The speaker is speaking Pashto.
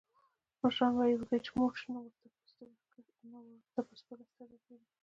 مشران وایي: وږی چې موړ شي، نورو ته په سپکه سترګه ګوري.